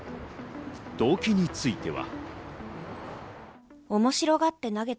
動機については。